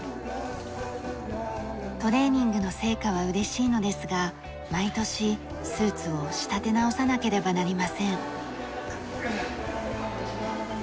トレーニングの成果は嬉しいのですが毎年スーツを仕立て直さなければなりません。